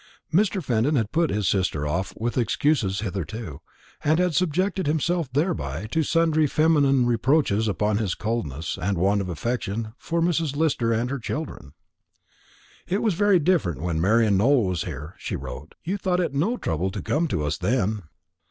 Mr. Fenton had put his sister off with excuses hitherto, and had subjected himself thereby to sundry feminine reproaches upon his coldness and want of affection for Mrs. Lister and her children. "It was very different when Marian Nowell was here," she wrote; "you thought it no trouble to come to us then."